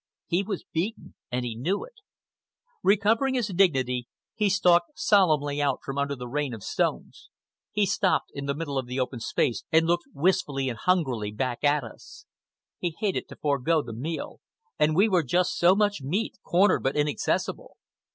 He was beaten and he knew it. Recovering his dignity, he stalked out solemnly from under the rain of stones. He stopped in the middle of the open space and looked wistfully and hungrily back at us. He hated to forego the meal, and we were just so much meat, cornered but inaccessible.